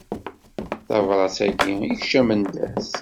Tabrat-agi i kečč a Mendas.